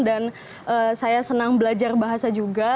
dan saya senang belajar bahasa juga